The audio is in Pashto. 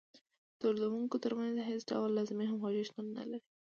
د تولیدونکو ترمنځ هېڅ ډول لازمه همغږي شتون نلري